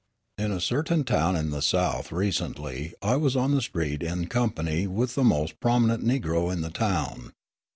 In a certain town in the South, recently, I was on the street in company with the most prominent Negro in the town.